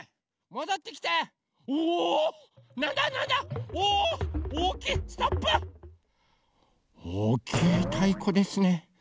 おおきいたいこですね。